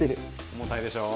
重たいでしょう？